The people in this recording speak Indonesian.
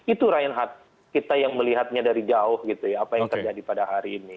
itu ryan hart kita yang melihatnya dari jauh apa yang terjadi pada hari ini